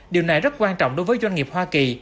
điều này rất quan trọng đối với doanh nghiệp hoa kỳ